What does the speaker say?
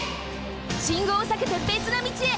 信号をさけてべつの道へ。